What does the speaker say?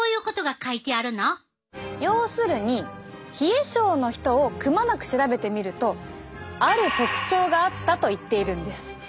要するに冷え症の人をくまなく調べてみるとある特徴があったと言っているんです。